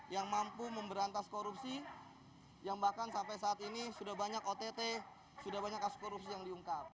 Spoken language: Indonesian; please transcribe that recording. yang mampu memberantas korupsi yang bahkan sampai saat ini sudah banyak ott sudah banyak kasus korupsi yang diungkap